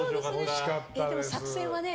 でも作戦はね。